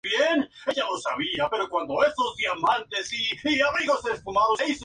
Carente de color.